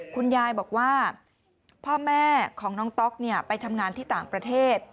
คุณยายบอกว่าพ่อแม่ของน้องต๊อกไปทำงานที่ต่างประเทศ